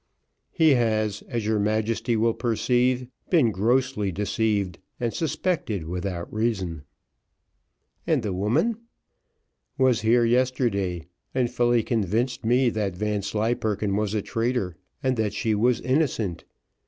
"He has, as your Majesty will perceive, been grossly deceived, and suspected without reason." "And the woman?" "Was here yesterday, and fully convinced me that Vanslyperken was a traitor, and that she was innocent.